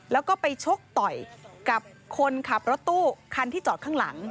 แล้วก็ไปชกต่อยกับคนขับรถตู้คันที่จอดข้างหลัง